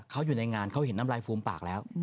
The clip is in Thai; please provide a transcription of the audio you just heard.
เขาอยู่ในงานเขาเห็นน้ำลายฟูมปากแล้ว